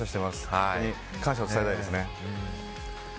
本当に感謝を伝えたいですね。